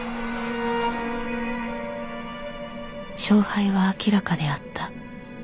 勝敗は明らかであった。